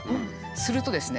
するとですね